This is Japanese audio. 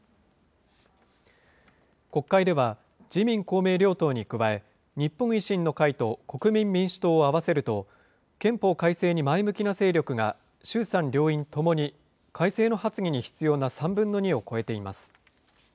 国会では、自民、公明両党に加え、日本維新の会と国民民主党を合わせると、憲法改正に前向きな勢力が、衆参両院ともに改正の発議に必要な３分の２を超えています。